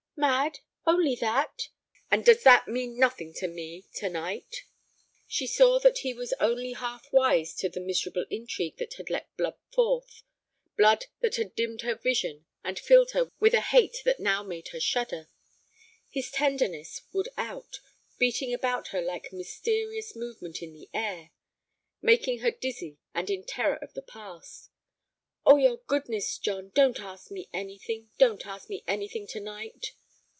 "Mad—only that?" "And does that mean nothing to me—to night." She saw that he was only half wise as to the miserable intrigue that had let blood forth, blood that had dimmed her vision and filled her with a hate that now made her shudder. His tenderness would out, beating about her like mysterious movement in the air, making her dizzy and in terror of the past. "Of your goodness, John, don't ask me anything—don't ask me anything to night."